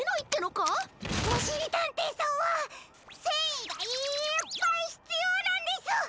おしりたんていさんはせんいがいっぱいひつようなんです！